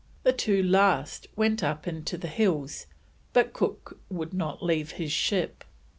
The two last went up into the hills, but Cook would not leave his ship.